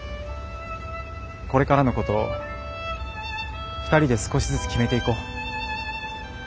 これからのこと２人で少しずつ決めていこう。